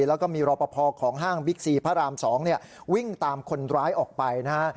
แล้วก็มีรอปภของห้างบิ๊กซีพระราม๒วิ่งตามคนร้ายออกไปนะฮะ